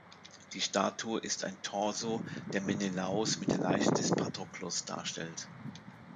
Die Statue ist ein Torso, der Menelaos mit der Leiche des Patroklos darstellt.